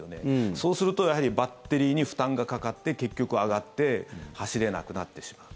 そうするとバッテリーに負担がかかって結局上がって走れなくなってしまう。